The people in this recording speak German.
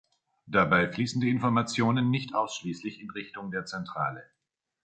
Dabei fließen die Informationen nicht ausschließlich in Richtung der Zentrale.